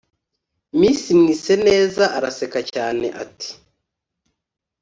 miss mwiseneza araseka cyane ati